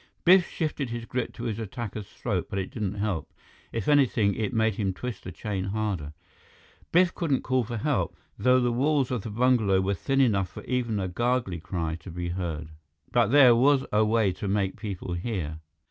Biff shifted his grip to his attacker's throat, but it didn't help. If anything, it made him twist the chain harder. Biff couldn't call for help, though the walls of the bungalow were thin enough for even a gargly cry to be heard. But there was a way to make people hear.